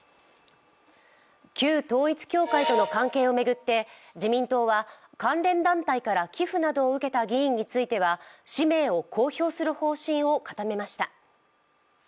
旧統一教会との関係を巡って自民党は関連団体から寄付などを受けた議員については氏名を公表する方針を固めました。